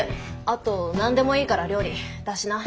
あと何でもいいから料理出しな。